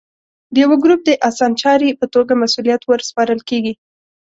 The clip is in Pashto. د یوه ګروپ د اسانچاري په توګه مسوولیت ور سپارل کېږي.